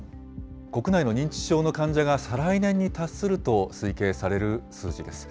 国内の認知症の患者が再来年に達すると推計される数字です。